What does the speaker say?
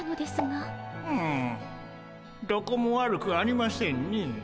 うんどこも悪くありませんね。